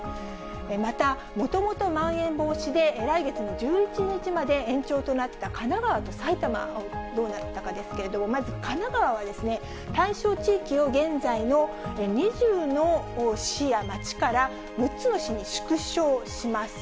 また、もともとまん延防止で来月の１１日まで延長となった神奈川と埼玉はどうなったかですけれども、まず神奈川はですね、対象地域を現在の２０の市や町から６つの市に縮小します。